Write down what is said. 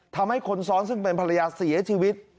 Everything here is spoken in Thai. ทำให้คนซ้อนซึ่งเป็นภรรยาเสียชีวิต